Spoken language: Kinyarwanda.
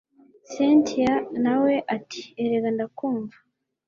cyntia nawe ati erega ndakumva